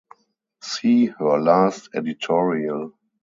See her last editorial.